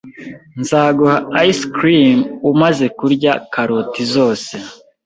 Nzaguha ice cream umaze kurya karoti zose.